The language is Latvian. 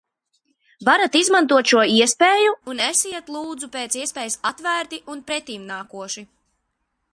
Varat izmantot šo iespēju un esiet, lūdzu, pēc iespējas atvērti un pretimnākoši.